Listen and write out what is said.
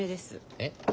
えっ？